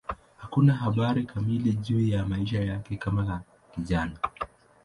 Hakuna habari kamili juu ya maisha yake kama kijana.